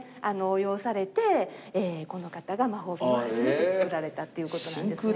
応用されてこの方が魔法瓶を初めて作られたっていうことなんですね。